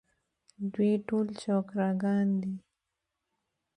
دوی ټول چوکره ګان دي.